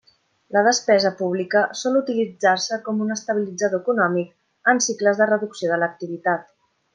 La despesa pública sol utilitzar-se com un estabilitzador econòmic en cicles de reducció de l'activitat.